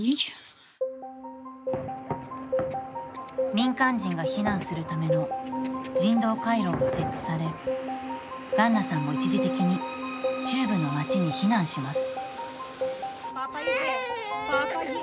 民間人が避難するための人道回廊が設置されガンナさんも一時的に中部の町に避難します。